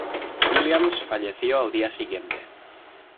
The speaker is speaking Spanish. Williams falleció al día siguiente.